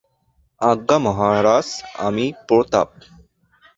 আজ্ঞা মহারাজ, আমি– প্রতাপ।